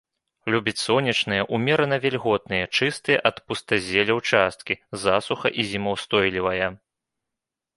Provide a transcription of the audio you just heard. Любіць сонечныя, умерана вільготныя, чыстыя ад пустазелля ўчасткі, засуха- і зімаўстойлівая.